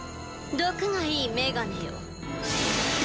どくがいいメガネよ。